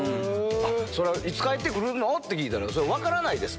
あっ、それはいつ帰ってくるのって聞いたら、それは分からないですと。